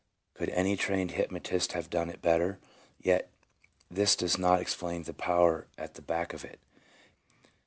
Could any trained hypnotist have done it better? Yet, this does not explain the power at the back of it.